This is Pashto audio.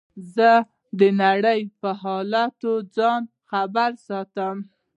زه د نړۍ په حالاتو ځان خبر ساتم.